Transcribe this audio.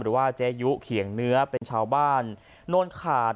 หรือว่าเจยุเขียงเนื้อเป็นชาวบ้านโนนขาด